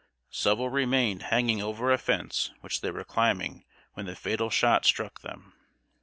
Several remained hanging over a fence which they were climbing when the fatal shot struck them.